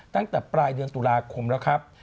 ตั้งแต่ปลายเดือนตุลาคมแล้วครับ